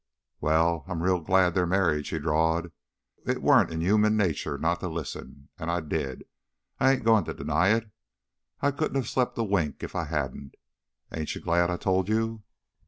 "Well, I'm real glad they're married," she drawled. "It warn't in human nature not to listen, and I did I ain't goin' to deny it, but I couldn't have slept a wink if I hadn't. Ain't you glad I told you?"